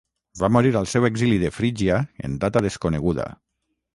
Va morir al seu exili de Frígia en data desconeguda.